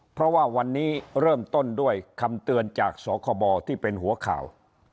เพราะว่าวันนี้เริ่มต้นด้วยคำเตือนจากสคบที่เป็นหัวข่าว